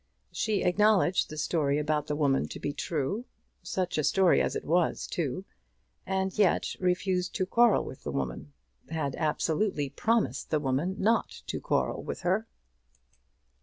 She acknowledged the story about the woman to be true, such a story as it was too, and yet refused to quarrel with the woman; had absolutely promised the woman not to quarrel with her!